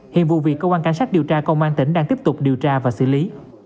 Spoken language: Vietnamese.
hiện vụ việc cơ quan cảnh sát điều tra công an tỉnh đang tiếp tục điều tra và xử lý